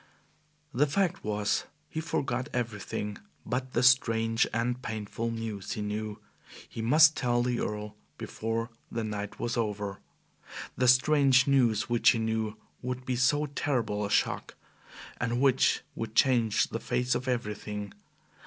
The fact was, he forgot everything but the strange and painful news he knew he must tell the Earl before the night was over the strange news which he knew would be so terrible a shock, and which would change the face of everything.